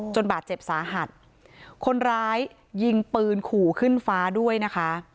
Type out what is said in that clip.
บาดเจ็บสาหัสคนร้ายยิงปืนขู่ขึ้นฟ้าด้วยนะคะ